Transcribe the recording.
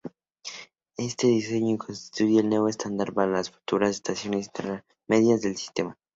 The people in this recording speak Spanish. Este diseño constituye el nuevo estándar para las futuras estaciones intermedias del sistema.